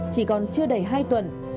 chỉ còn chưa đầy hai tuần